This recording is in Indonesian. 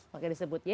maka disebut y